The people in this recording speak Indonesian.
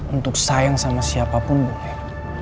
untuk sayang sama siapapun bukan